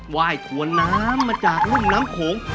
ไหว้ถัวน้ำมาจากเรื่องน้ำโขง